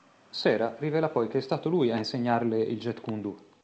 Sera rivela poi che è stato lui a insegnarle il Jeet Kune Do.